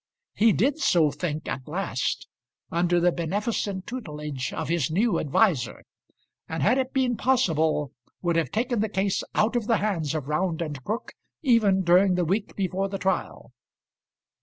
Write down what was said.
He did so think at last, under the beneficent tutelage of his new adviser, and had it been possible would have taken the case out of the hands of Round and Crook even during the week before the trial.